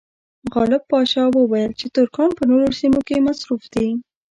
غالب پاشا وویل چې ترکان په نورو سیمو کې مصروف دي.